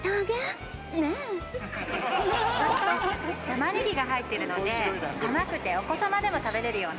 玉ねぎが入っているので甘くてお子様でも食べれるような。